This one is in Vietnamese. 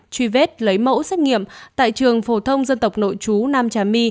truy vết lấy mẫu xét nghiệm tại trường phổ thông dân tộc nội chú nam trà my